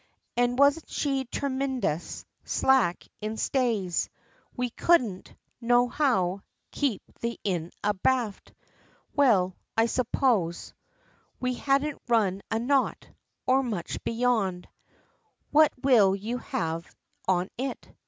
And wasn't she trimendus slack in stays! We couldn't, no how, keep the inn abaft! Well I suppose We hadn't run a knot or much beyond (What will you have on it?)